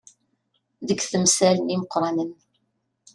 Deg temsal n yimeqqranen.